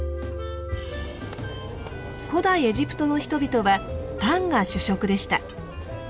古代エジプトの人々はパンが主食でした。